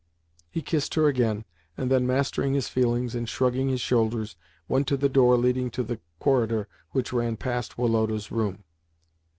He kissed her again, and then, mastering his feelings and shrugging his shoulders, went to the door leading to the corridor which ran past Woloda's room.